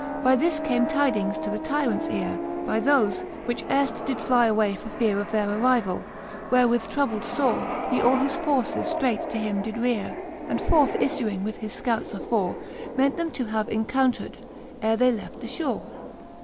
By this came tydings to the tyrants eare By thofe, which earft did fly away for feare Of their arrivall : wherewith troubled fore, He all his forces ftreight to him did reare, And forth ifluing with his fcouts afore, Meant them to have incountred, ere they left the fhore.